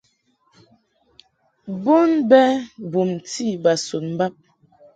Bon bɛ bumti bas un bab.